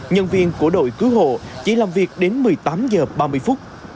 nhân viên của đội cứu hộ chỉ làm việc đến một mươi tám h ba mươi